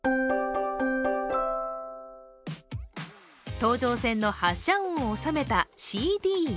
東上線の発車音をおさめたＣＤ。